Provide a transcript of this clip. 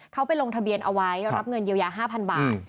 เขาไปลงทะเบียนเอาไว้รับเงินเยียวยา๕๐๐บาท